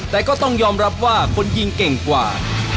แต่ก็ต้องยอมรับว่าคนยิงเก่งกว่า